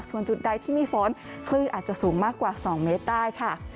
ส่วนจุดใดที่มีฝนคลื่นอาจจะสูงมากกว่า๒เมตรได้ค่ะ